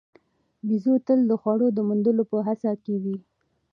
بیزو تل د خوړو د موندلو په هڅه کې وي.